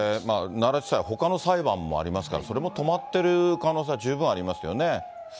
奈良地裁はほかの裁判もありますから、それも止まってる可能性は十分ありますよね。